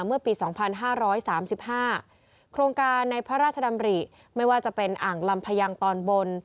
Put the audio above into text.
เมื่อปี๒๕๓๕โครงการในพระราชดำริไม่ว่าจะเป็นอ่างลำพยังตอนบน